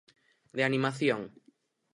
De animación.